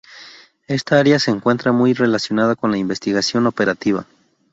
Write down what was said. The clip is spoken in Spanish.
Esta área se encuentra muy relacionada con la investigación operativa.